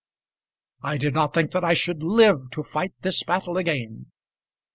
I did not think that I should live to fight this battle again.